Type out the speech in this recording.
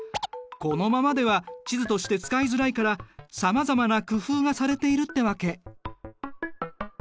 このままでは地図として使いづらいからさまざまな工夫がされているってわけ。